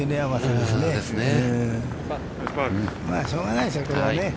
まあしょうがないでしょう、これはね。